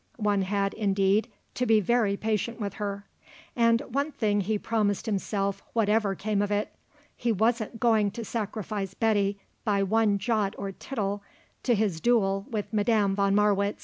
One had, indeed, to be very patient with her. And one thing he promised himself whatever came of it; he wasn't going to sacrifice Betty by one jot or tittle to his duel with Madame von Marwitz.